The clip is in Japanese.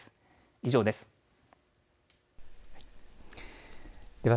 以上です。